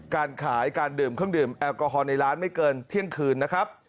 การขายการดื่มเครื่องดื่มแอลกอฮอลในร้านไม่เกินเที่ยงคืนนะครับ